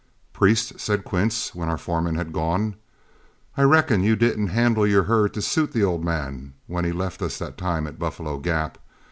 "Priest," said Quince, when our foreman had gone, "I reckon you didn't handle your herd to suit the old man when he left us that time at Buffalo Gap.